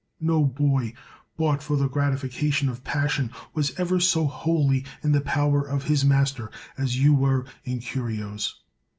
No boy bought for the gratification of passion was ever so wholly in the power of his master as you were in Curio's.